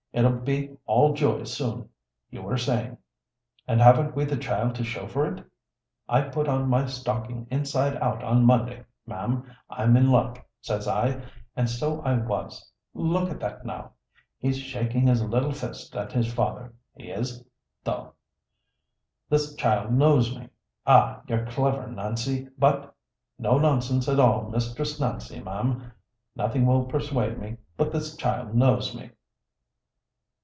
'It'll be all joy soon,' you were saying, and haven't we the child to show for it? I put on my stocking inside out on Monday, ma'am. 'I'm in luck,' says I, and so I was. Look at that, now! He's shaking his lil fist at his father. He is, though. This child knows me. Aw, you're clever, Nancy, but no nonsense at all, Mistress Nancy, ma'am. Nothing will persuade me but this child knows me."